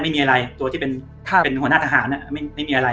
ไม่มีอะไรตัวที่เป็นท่านเป็นหัวหน้าทหารน่ะไม่ไม่มีอะไร